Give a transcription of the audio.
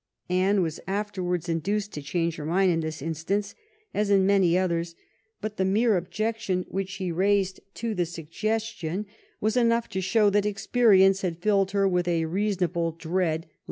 Anne was afterwards induced to change her mind in this in stance, as in many others, but the mere objection which she raised to the suggestion was enough to show that experience had filled her with a reasonable dread leit